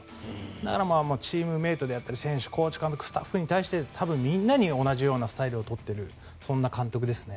だから、チームメートであったり選手、コーチ、スタッフに対して多分みんなに同じようなスタイルを取っているそんな監督ですね。